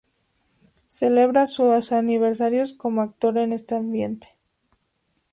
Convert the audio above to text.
Celebraba sus aniversarios como actor en este ambiente.